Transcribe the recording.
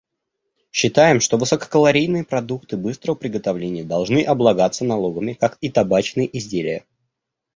Считаем, что высококалорийные продукты быстрого приготовления должны облагаться налогами, как и табачные изделия.